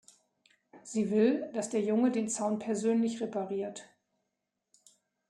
Sie will, dass der Junge den Zaun persönlich repariert.